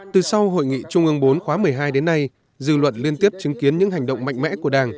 từ sau hội nghị trung ương bốn khóa một mươi hai đến nay dư luận liên tiếp chứng kiến những hành động mạnh mẽ của đảng